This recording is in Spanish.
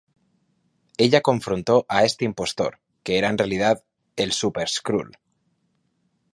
Ella confrontó a este impostor, que era en realidad el Super-Skrull.